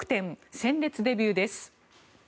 鮮烈デビューです。